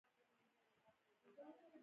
بهرني پانګوال پانګونې ته زړه ښه کوي.